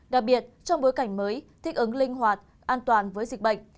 đặc biệt trong bối cảnh mới thích ứng linh hoạt an toàn với dịch bệnh